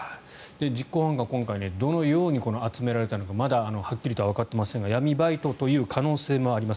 実行犯が今回、どのように集められたのかまだはっきりとはわかっていませんが闇バイトという可能性もあります。